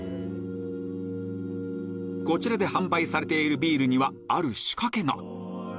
こちらで販売されているビールにはある仕掛けが！